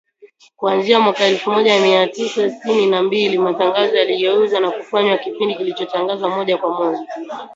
Kuanzia mwaka elfu moja mia tisa sitini na mbili, matangazo yaligeuzwa na kufanywa kipindi kilichotangazwa moja kwa moja.